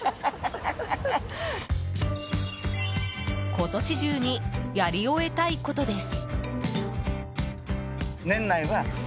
今年中にやり終えたいことです。